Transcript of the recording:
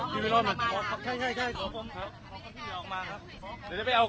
พี่มิโร่มา